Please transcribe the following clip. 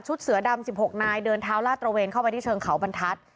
เสือดำ๑๖นายเดินเท้าลาดตระเวนเข้าไปที่เชิงเขาบรรทัศน์